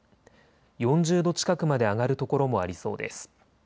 ４０度近くまで上がる所もありそうです。